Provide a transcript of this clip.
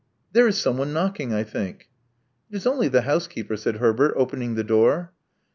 There is someone knocking, I think." It is only the housekeeper," said Herbert, opening the door.